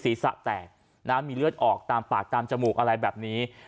ศีรษะแตกนะมีเลือดออกตามปากตามจมูกอะไรแบบนี้